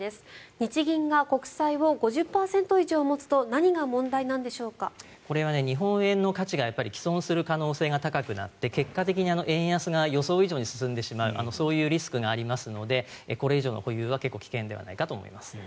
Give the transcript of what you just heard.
日銀が国債を５０％以上持つとこれは日本円の価値が毀損する可能性が高くなって結果的に円安が予想以上に進んでしまうそういうリスクがありますのでこれ以上の保有は結構危険ではないかと思います。